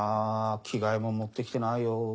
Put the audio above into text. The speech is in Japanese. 着替えも持って来てないよう。